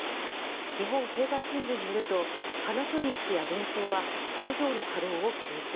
日本経済新聞によるとパナソニックやデンソーは工場の稼働を休止。